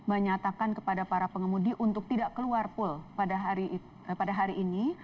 menyatakan kepada para pengemudi untuk tidak keluar pool pada hari ini